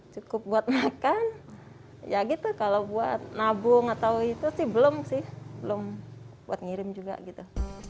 cukup buat makan ya gitu kalau buat nabung atau itu sih belum sih belum buat ngirim juga gitu